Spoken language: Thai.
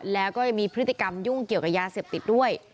แล้วก็ยังมีพฤติกรรมยุ่งเกี่ยวกับยาเสพติดด้วย